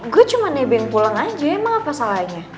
gue cuma nebeng pulang aja emang apa salahnya